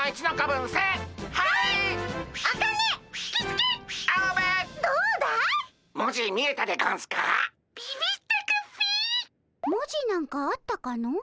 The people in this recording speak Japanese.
文字なんかあったかの？